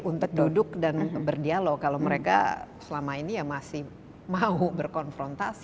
untuk duduk dan berdialog kalau mereka selama ini ya masih mau berkonfrontasi